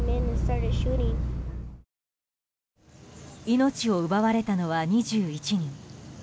命を奪われたのは２１人。